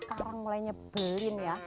sekarang mulai nyebelin ya